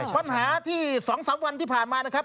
ปัญหาที่๒๓วันที่ผ่านมานะครับ